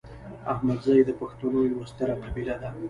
احمدزي د پښتنو یوه ستره قبیله ده